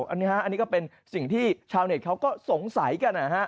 อันนี้ก็เป็นสิ่งที่ชาวเน็ตเขาก็สงสัยกันนะฮะ